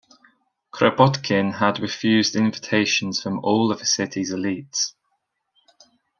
Kropotkin had refused invitations from all of the city's elites.